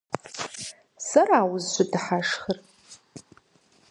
Сэра узыщыдыхьэшхыр?